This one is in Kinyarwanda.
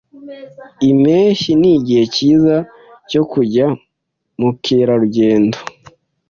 Impeshyi nigihe cyiza cyo kujya mukerarugendo.